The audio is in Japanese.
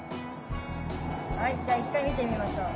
はいじゃあ一回見てみましょう。